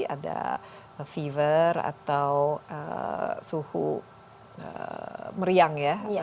ada fever atau suhu meriang ya